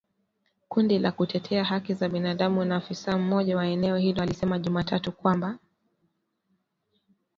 Kundi la kutetea haki za binadamu na afisa mmoja wa eneo hilo alisema Jumatatu kwamba.